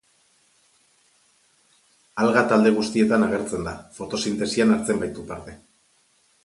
Alga talde guztietan agertzen da, fotosintesian hartzen baitu parte.